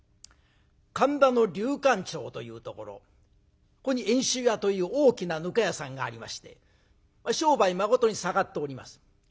神田の竜閑町というところここに遠州屋という大きなぬか屋さんがありまして商売まことに盛っております。